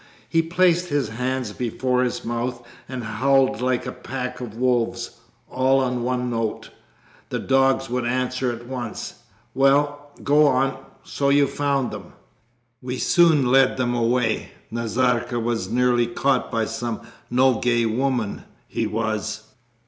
He placed his hands before his mouth, and howled like a pack of wolves, all on one note. 'The dogs would answer at once ... Well, go on so you found them?' 'We soon led them away! Nazarka was nearly caught by some Nogay women, he was!'